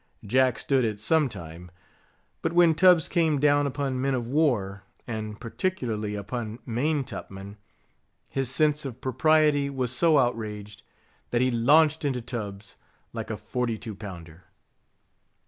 Jack stood it some time; but when Tubbs came down upon men of war, and particularly upon main top men, his sense of propriety was so outraged, that he launched into Tubbs like a forty two pounder.